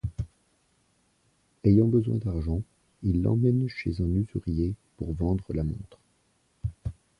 Ayant besoin d’argent, il l’emmène chez un usurier pour vendre la montre.